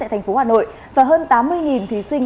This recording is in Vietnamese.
tại thành phố hà nội và hơn tám mươi thí sinh